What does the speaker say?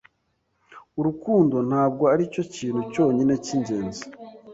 Urukundo ntabwo aricyo kintu cyonyine cyingenzi.